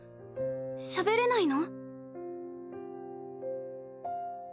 しゃべれないの？